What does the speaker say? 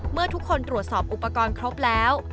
เมื่อทุกคนตรวจสอบอุปกรณ์ครบแล้ว